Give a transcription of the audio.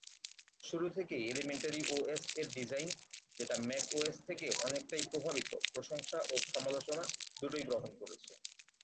শুরু থেকেই elementary OS এর ডিজাইন, যেটা ম্যাক ওএস থেকে অনেকটাই প্রভাবিত, প্রশংসা ও সমালোচনা দুটোই গ্রহণ করেছে।